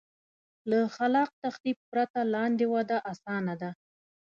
له خلاق تخریب پرته لاندې وده اسانه ده.